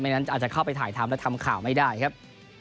นั้นอาจจะเข้าไปถ่ายทำและทำข่าวไม่ได้ครับ